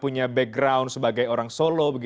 punya background sebagai orang solo